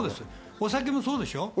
お酒もそうですよ。